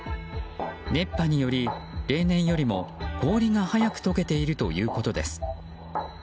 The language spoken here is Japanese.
熱波により例年よりも、氷が早く溶けているということです。